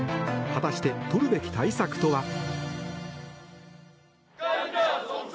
果たして、取るべき対策とは。